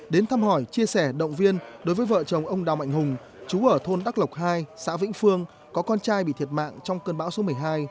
đến thăm hỏi chia sẻ động viên đối với vợ chồng ông đào mạnh hùng chú ở thôn đắc lộc hai xã vĩnh phương có con trai bị thiệt mạng trong cơn bão số một mươi hai